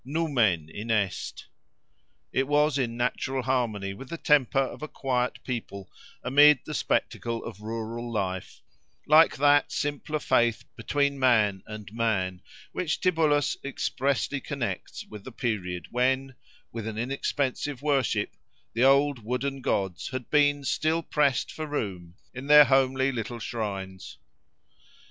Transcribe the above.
Numen Inest!—it was in natural harmony with the temper of a quiet people amid the spectacle of rural life, like that simpler faith between man and man, which Tibullus expressly connects with the period when, with an inexpensive worship, the old wooden gods had been still pressed for room in their homely little shrines.